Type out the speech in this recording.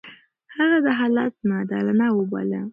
هغه دا حالت ناعادلانه وباله.